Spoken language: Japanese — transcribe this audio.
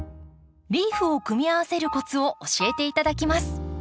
リーフを組み合わせるコツを教えて頂きます。